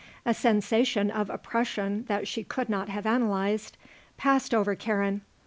A sensation of oppression that she could not have analyzed passed over Karen.